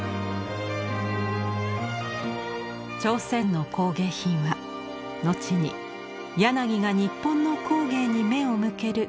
朝鮮の工芸品は後に柳が日本の工芸に目を向ける